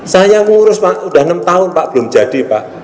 saya ngurus udah enam tahun pak belum jadi pak